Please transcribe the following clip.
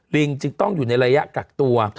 ลิงจึงต้องอยู่ในระยะกักตัว